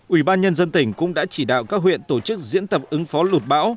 ủy ban nhân dân tỉnh cũng đã chỉ đạo các huyện tổ chức diễn tập ứng phó lụt bão